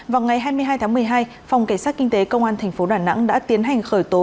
vào ngày hai mươi hai tháng một mươi hai phòng cảnh sát kinh tế công an thành phố đà nẵng đã tiến hành khởi tố